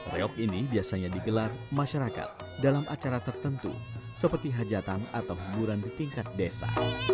reok ini biasanya digelar masyarakat dalam acara tertentu seperti hajatan atau hiburan di tingkat desa